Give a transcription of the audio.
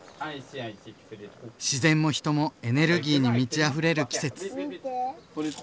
自然も人もエネルギーに満ちあふれる季節。